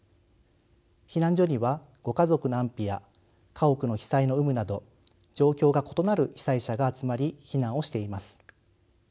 避難所にはご家族の安否や家屋の被災の有無など状況が異なる被災者が集まり避難をしています。